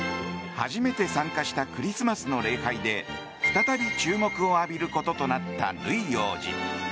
初めて参加したクリスマスの礼拝で再び注目を浴びることとなったルイ王子。